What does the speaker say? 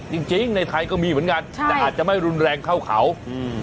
จริงจริงในไทยก็มีเหมือนกันใช่แต่อาจจะไม่รุนแรงเท่าเขาอืม